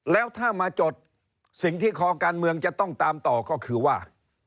แล้วถ้ามาจดสิ่งที่คอการเมืองจะต้องตามต่อก็คือว่า